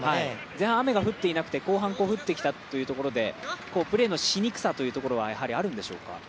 前半雨が降っていなくて、後半雨が降ってきたというところでプレーのしにくさというところはやはりあるんでしょうか。